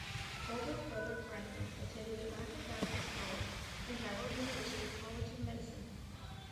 Older brother Franklin attended Atlanta Baptist College and Howard University College of Medicine.